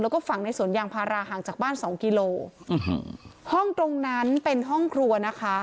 แล้วก็ฝังในสวนยางพาราห่างจากบ้านสองกิโลห้องตรงนั้นเป็นห้องครัวนะคะ